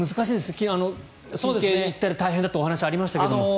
昨日ＰＫに行ったら大変だというお話がありましたが。